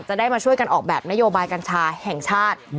ได้มาช่วยกันออกแบบนโยบายกัญชาแห่งชาติ